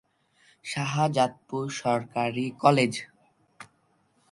সেই সাথে অভিভাবকদের মধ্যে স্বস্তি ফিরে এসেছে।